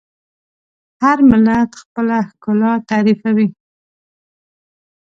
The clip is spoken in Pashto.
هر ملت خپله ښکلا تعریفوي.